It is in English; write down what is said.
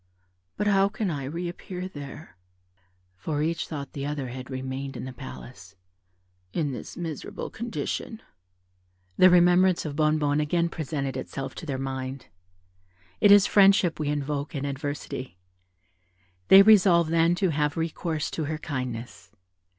But how can I reappear there (for each thought the other had remained in the palace) in this miserable condition?" The remembrance of Bonnebonne again presented itself to their mind. It is friendship we invoke in adversity. They resolved then to have recourse to her kindness.